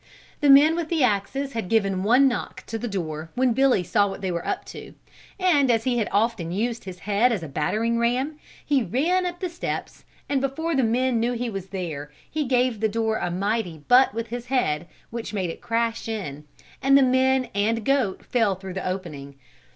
The men with the axes had given one knock to the door when Billy saw what they were up to, and as he had often used his head as a battering ram, he ran up the steps, and before the men knew he was there, he gave the door a mighty butt with his head which made it crash in and the men and goat fell through the opening.